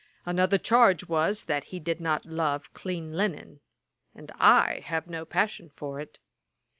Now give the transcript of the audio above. Another charge was, that he did not love clean linen; and I have no passion for it.'